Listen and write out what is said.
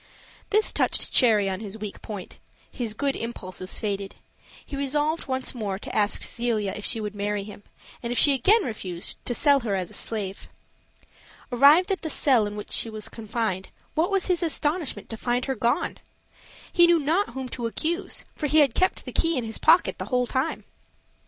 This touched Cherry on his weak point his good impulses faded; he resolved once more to ask Zelia if she would marry him, and if she again refused, to sell her as a slave. Arrived at the cell in which she was confined, what was his astonishment to find her gone! He knew not whom to accuse, for he had kept the key in his pocket the whole time.